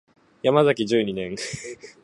ヤマザキ十二年